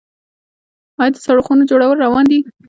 آیا د سړو خونو جوړول روان دي؟